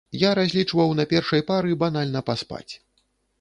Я разлічваў на першай пары банальна паспаць.